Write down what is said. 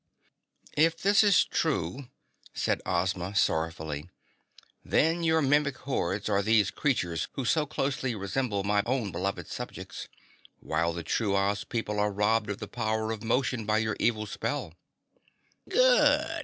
"If this is true," said Ozma sorrowfully, "then your Mimic hordes are these creatures who so closely resemble my own beloved subjects, while the true Oz people are robbed of the power of motion by your evil spell." "Good!"